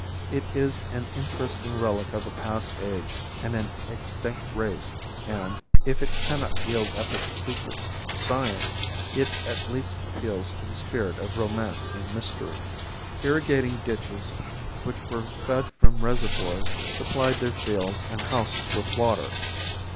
It is an interesting relic of a past age and an extinct race and, if it cannot yield up its secrets to science, it at least appeals to the spirit of romance and mystery. Irrigating ditches which were fed from reservoirs supplied their fields and houses with water.